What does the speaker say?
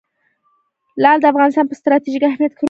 لعل د افغانستان په ستراتیژیک اهمیت کې رول لري.